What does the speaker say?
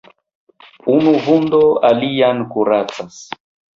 Unu vundo alian kuracas.